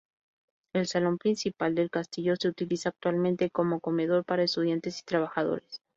El salón principal del castillo se utiliza actualmente como comedor para estudiantes y trabajadores.